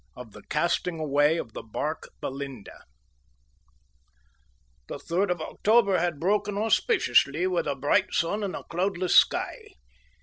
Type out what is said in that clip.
OF THE CASTING AWAY OF THE BARQUE "BELINDA" The third of October had broken auspiciously with a bright sun and a cloudless sky.